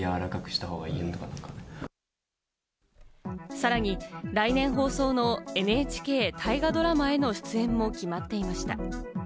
さらに来年放送のＮＨＫ大河ドラマへの出演も決まっていました。